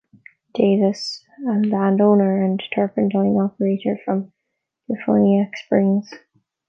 Davis, a land owner and turpentine operator from DeFuniak Springs.